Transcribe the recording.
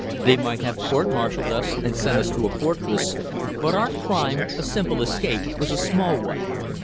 They might have court martialled us and sent us to a fortress, but our crime, a "simple escape," was a small one.